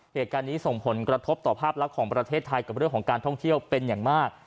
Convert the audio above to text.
เหตุการณ์นี้ส่งผลกระทบต่อภาพลักษณ์ของประเทศไทยกับเรื่องของการท่องเที่ยวเป็นอย่างมาก